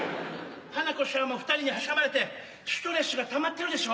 花子しゃんも二人に挟まれてストレスがたまってるでしょ？